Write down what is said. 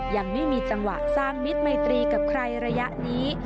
ยังไม่มีจังหวะสร้างมิตรมัยตรีกับใครระยะนี้